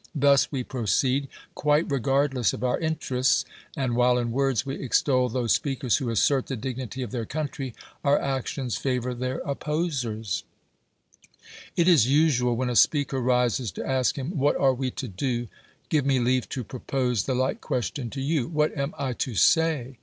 Thus we proceed, quite re gardless of our interests ; and while in words we extol those speakers who assert the dignity of their country, our actions favor their opposerj>. 126 DEMOSTHENES It U usual, when a speaker rises to ask him, "What are we to do?" Give me leave to propose the like question to you: "What am I to say?"